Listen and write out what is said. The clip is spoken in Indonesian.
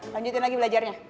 lanjutin lagi belajarnya